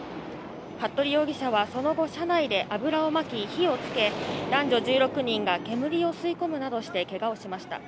服部容疑者はその後、車内で油をまき、火をつけ、だんじょ１６人が煙を吸い込むなどしてけがをしました。